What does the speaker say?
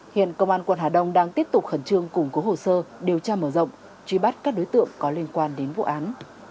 hiện công an quận hà đông đang tiếp tục khẩn trương củng cố hồ sơ điều tra mở rộng truy bắt các đối tượng có liên quan đến vụ án